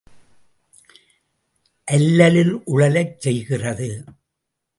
அல்லலில் உழலச் செய்கிறது.